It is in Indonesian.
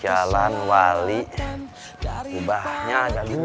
jalan wali dekat masjid ubahnya ada dua